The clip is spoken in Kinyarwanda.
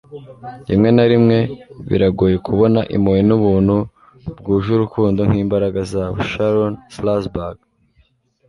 rimwe na rimwe biragoye kubona impuhwe n'ubuntu bwuje urukundo nk'imbaraga zabo. - sharon salzberg